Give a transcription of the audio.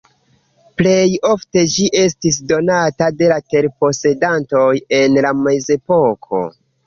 Plej ofte ĝi estis donata de terposedantoj en la Mezepoko.